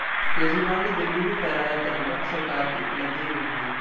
केजरीवाल ने दिल्ली में फहराया तिरंगा, सरकार की उपलब्धियां गिनवाईं